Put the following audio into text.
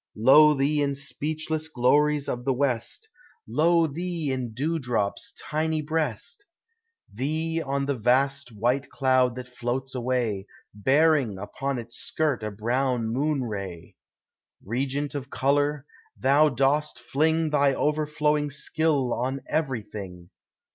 Lo thee in speechless glories of the west! Lo thee in dewdrop's tiny breast ! Thee on the vast white cloud that floats awav, Bearing upon its skirt a brown moon ray ! Regent of color, thou dost fling Thy overflowing skill on everything!